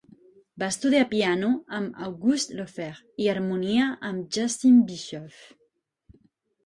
Va estudiar piano amb Auguste Laufer i harmonia amb Justin Bischoff.